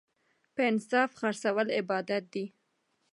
په انصاف خرڅول عبادت دی.